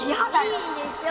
いいでしょ！